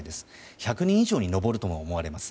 １００人以上に上るとも思われます。